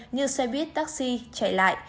như xe buýt taxi chạy lại